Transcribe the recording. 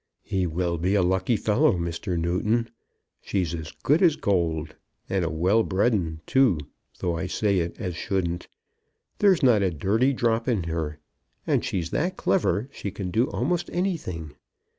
"He will be a lucky fellow, Mr. Newton. She's as good as gold. And a well bred 'un too, though I say it as shouldn't. There's not a dirty drop in her. And she's that clever, she can do a'most anything.